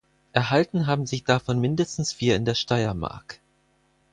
Erhalten haben sich davon mindestens vier in der Steiermark.